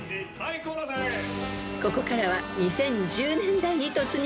［ここからは２０１０年代に突入］